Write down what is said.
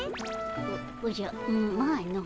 おおじゃまあの。